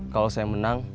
kalau saya menang